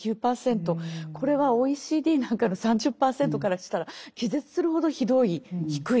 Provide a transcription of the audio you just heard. これはＯＥＣＤなんかの３０％からしたら気絶するほどひどい低い。